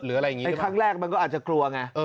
อะไรอย่างนี้ไอ้ครั้งแรกมันก็อาจจะกลัวไง